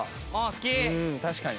確かに。